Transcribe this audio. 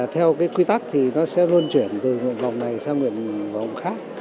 theo quy tắc thì nó sẽ luôn chuyển từ một vòng này sang một vòng khác